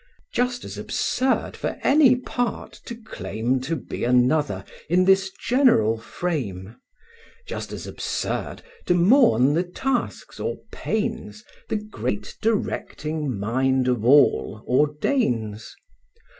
Just as absurd for any part to claim To be another, in this general frame: Just as absurd, to mourn the tasks or pains, The great directing Mind of All ordains.